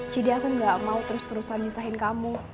jadi aku gak mau terus terusan nyusahin kamu